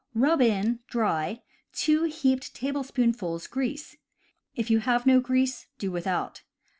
Rub in, dry, 2 heaped tablespoonfuls grease. If you have no grease, do without.